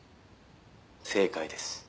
「正解です」